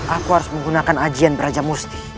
aku harus menggunakan ajian beraja musti